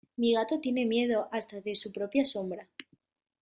Mi gato tiene miedo hasta de su propia sombra.